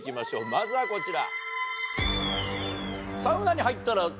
まずはこちら。